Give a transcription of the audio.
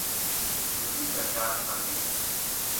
وضو لا چار فرض ہیں۔